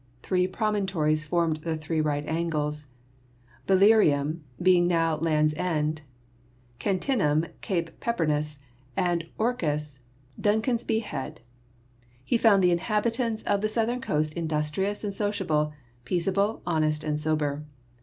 Three promontories formed the three angles, Belerium being now Land's End, Cantinum Cape Pepper ness and Orcas Duncansby Head. He found the inhabi tants of the southern coast industrious and sociable, peace able, honest and sober.